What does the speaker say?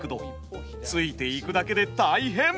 ついていくだけで大変。